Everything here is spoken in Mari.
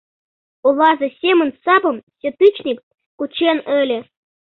Улазе семын сапым сетычник кучен ыле.